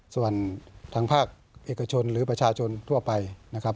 ส่วนทางภาคเอกชนหรือประชาชนทั่วไปนะครับ